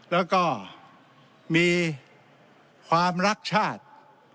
แล้วก็มีความรักชาติ